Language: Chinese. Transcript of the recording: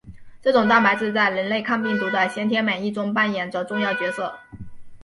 这种蛋白质在人类抗病毒的先天免疫中扮演着重要角色。